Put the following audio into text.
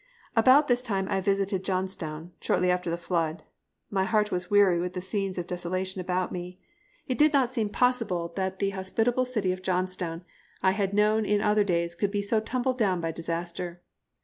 About this time I visited Johnstown, shortly after the flood. My heart was weary with the scenes of desolation about me. It did not seem possible that the hospitable city of Johnstown I had known in other days could be so tumbled down by disaster.